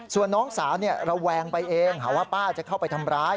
ส่วนน้องสาวระแวงไปเองหาว่าป้าจะเข้าไปทำร้าย